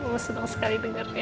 mama senang sekali dengarnya